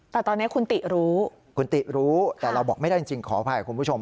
แต่ตอนนี้คุณติรู้คุณติรู้แต่เราบอกไม่ได้จริงขออภัยคุณผู้ชม